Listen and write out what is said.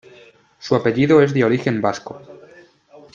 Su apellido es de origen vasco.